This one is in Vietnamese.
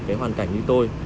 cái hoàn cảnh như tôi